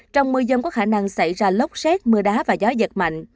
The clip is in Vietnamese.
trong mưa dông có khả năng xảy ra lốc xét mưa đá và gió giật mạnh